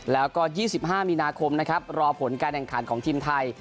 แล้วก็๒๕มีนาคมนะครับรอผลการแข่งขันของทีมไทย